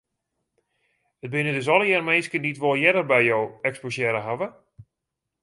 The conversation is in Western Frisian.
It binne dus allegear minsken dy't wol earder by jo eksposearre hawwe?